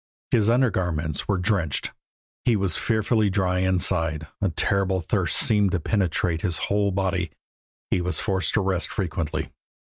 His undergarments were drenched; he was fearfully dry inside; a terrible thirst seemed to penetrate his whole body; he was forced to rest frequently.